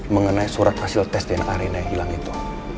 mengenai surat hasil tes dna arena yang hilang itu